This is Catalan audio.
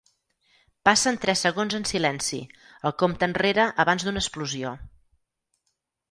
Passen tres segons en silenci, el compte enrere abans d'una explosió.